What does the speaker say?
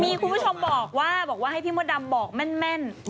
มีคุณผู้ชมบอกว่าบอกว่าให้พี่มดดำบอกแม่น